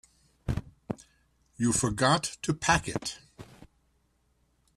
You forgot to pack it.